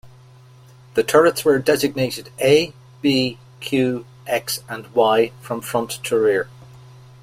The turrets were designated 'A', 'B', 'Q', 'X' and 'Y', from front to rear.